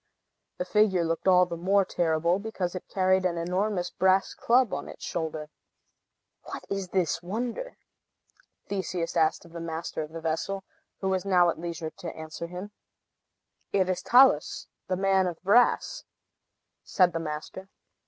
The figure looked all the more terrible because it carried an enormous brass club on its shoulder. "What is this wonder?" Theseus asked of the master of the vessel, who was now at leisure to answer him. "It is Talus, the Man of Brass," said the master.